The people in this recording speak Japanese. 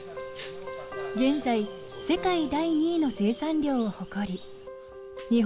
現在世界第２位の生産量を誇り。